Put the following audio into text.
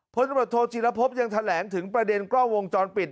พศศิลป์ยังแถลงถึงประเด็นกล้องวงจรปิด